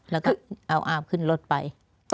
แล้วก็เอาอาบขึ้นรถไป